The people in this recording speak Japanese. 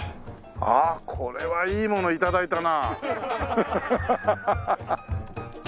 ああこれはいいもの頂いたな。